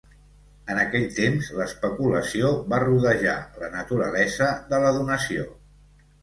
En aquell temps, l'especulació va rodejar la naturalesa de la donació.